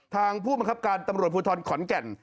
ผู้บังคับการตำรวจภูทรขอนแก่น